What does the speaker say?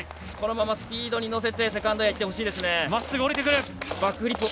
このままスピードに乗せてセカンドエアいってほしいですね。